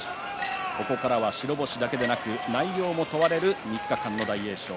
ここからは白星だけでなく内容も問われる３日間の大栄翔。